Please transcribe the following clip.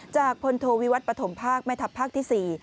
พลโทวิวัตรปฐมภาคแม่ทัพภาคที่๔